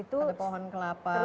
itu ada pohon kelapa